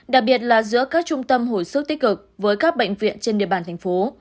đặc biệt là giữa các trung tâm hồi sức tích cực với các bệnh viện trên địa bàn thành phố